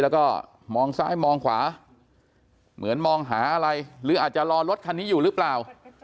แล้วก็มองซ้ายมองขวาเหมือนมองหาอะไรหรืออาจจะรอรถคันนี้อยู่หรือเปล่า